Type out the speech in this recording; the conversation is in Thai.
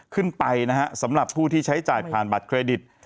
ขึ้นไปนะฮะสำหรับผู้ที่ใช้จ่ายผ่านบัตรเครดิต